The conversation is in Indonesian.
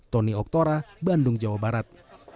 tony oktora bandung jawa barat